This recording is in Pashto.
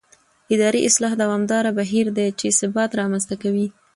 اداري اصلاح دوامداره بهیر دی چې ثبات رامنځته کوي